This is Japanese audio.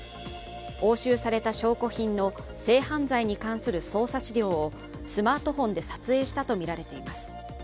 押収された証拠品の性犯罪に関する捜査資料をスマートフォンで撮影したとみられています。